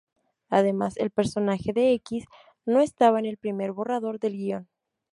Además, el personaje de X no estaba en el primer borrador del guion.